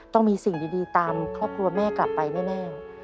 ต้องมีสิ่งดีตามครอบครัวแม่กลับไปแน่